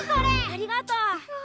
ありがとう！